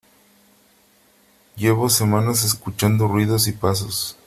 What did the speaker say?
llevo semanas escuchando ruidos y pasos .